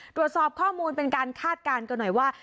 ตรวจสอบข้อมูลเป็นการคาดการณ์กันหน่อยว่า